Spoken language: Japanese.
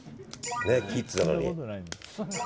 キッズなのに。